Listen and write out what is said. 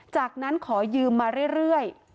จากนั้นขอยืมมาเรื่อย